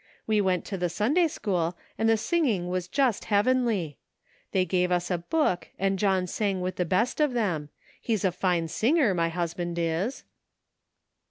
We went to the Sunday school, and the singing was just heav enly. They gave us a book, and John sang with the best of them ; he's a tine singer, my husband is."